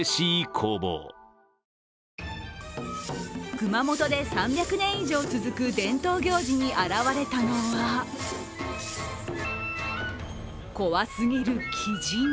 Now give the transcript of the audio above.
熊本で３００年以上続く伝統行事に現れたのは、怖すぎる鬼神。